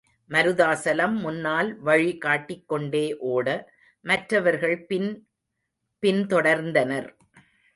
மருதாசலம் முன்னால் வழி காட்டிக்கொண்டே ஓட, மற்றவர்கள் பின் பின்தொடர்ந்தனர்.